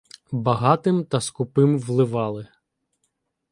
Багатим та скупим вливали